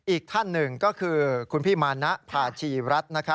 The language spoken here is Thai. อีกท่านหนึ่งก็คือคุณพี่มานะภาชีรัฐ